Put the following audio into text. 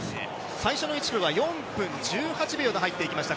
最初の１ｋｍは４分１８秒で入っていきました。